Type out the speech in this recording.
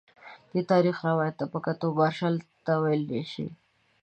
دې تاریخي روایت ته په کتو مارشال ته وویل شي.